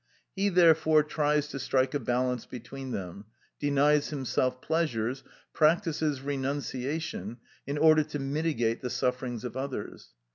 He therefore tries to strike a balance between them, denies himself pleasures, practises renunciation, in order to mitigate the sufferings of others.